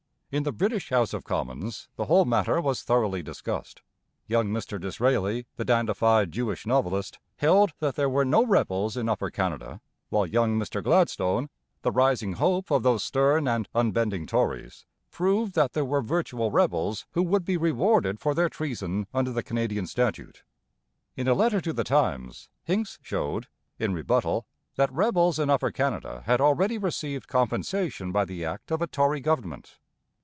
In the British House of Commons the whole matter was thoroughly discussed. Young Mr Disraeli, the dandified Jewish novelist, held that there were no rebels in Upper Canada, while young Mr Gladstone, 'the rising hope of those stern and unbending Tories,' proved that there were virtual rebels who would be rewarded for their treason under the Canadian statute. In a letter to The Times Hincks showed, in rebuttal, that rebels in Upper Canada had already received compensation by the Act of a Tory government.